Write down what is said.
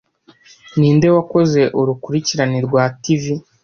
Ninde wakoze urukurikirane rwa TV